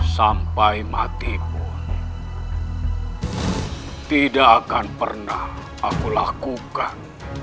sampai mati pun tidak akan pernah aku lakukan